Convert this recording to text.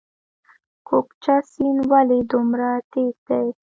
کوکچه سیند ولې دومره تیز دی؟